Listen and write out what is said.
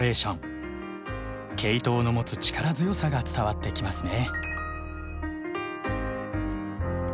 ケイトウの持つ力強さが伝わってきますね。